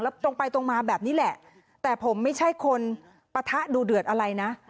แล้วตรงไปตรงมาแบบนี้แหละแต่ผมไม่ใช่คนปะทะดูเดือดอะไรนะ